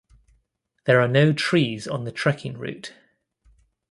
There are no trees on the trekking route.